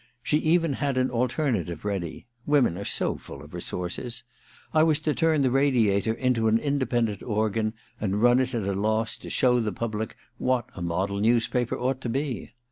She even had an alternative ready — women are so full [ of resources ! I was to turn the Radiator into an independent organ, and run it at a loss to show the public what a model newspaper ought to be.